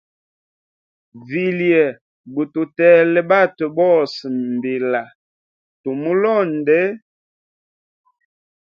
Vilye gututele batwe bose mbila tumulonde.